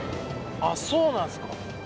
あっそうなんすか？